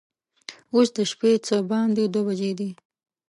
اوس د شپې څه باندې دوه بجې دي.